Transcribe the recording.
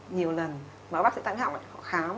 nhiều lần bác sĩ tạm hạng họ khám